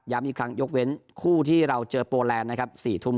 ย้ำอีกครั้งยกเว้นคู่ที่เราเจอโปรแลนด์นะครับ